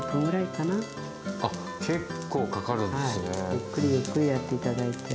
ゆっくりゆっくりやって頂いて。